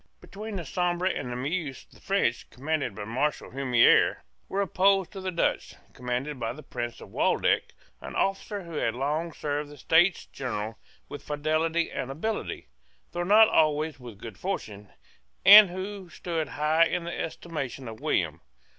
Between the Sambre and the Meuse the French, commanded by Marshal Humieres, were opposed to the Dutch, commanded by the Prince of Waldeck, an officer who had long served the States General with fidelity and ability, though not always with good fortune, and who stood high in the estimation of William.